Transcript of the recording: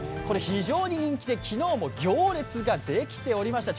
非常に人気で昨日も行列ができておりました。